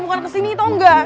bukan kesini tau nggak